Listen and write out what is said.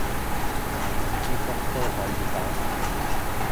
齊人之福都可以嘅